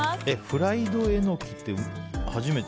フライドエノキって初めて。